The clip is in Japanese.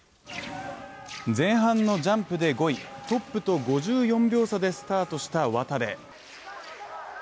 前半のジャンプで５位、トップと５４秒差でスタートした渡部。